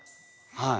はい。